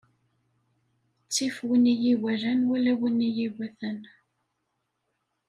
Ttif win i yi-iwalan wala win i yi-iwatan.